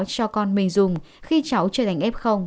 cho con mình dùng khi cháu trở thành f